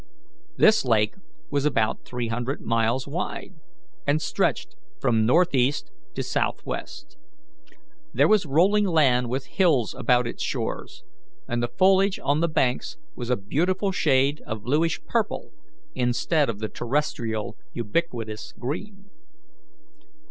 This lake was about three hundred miles wide, and stretched from northeast to southwest. There was rolling land with hills about its shores, and the foliage on the banks was a beautiful shade of bluish purple instead of the terrestrial ubiquitous green.